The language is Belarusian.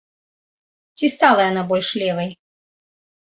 Ці стала яна больш левай?